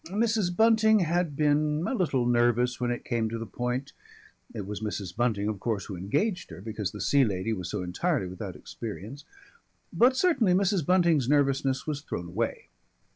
Mrs. Bunting had been a little nervous when it came to the point. It was Mrs. Bunting of course who engaged her, because the Sea Lady was so entirely without experience. But certainly Mrs. Bunting's nervousness was thrown away.